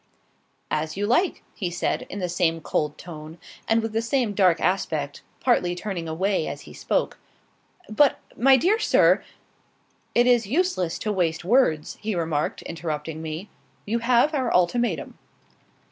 "As you like," he said, in the same cold tone, and with the same dark aspect, partly turning away as he spoke. "But, my dear sir" "It is useless to waste words," he remarked, interrupting me. "You have our ultimatum."